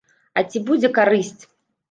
А ці будзе карысць?